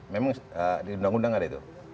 memang di undang undang ada itu